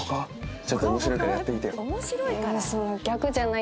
「面白いから」？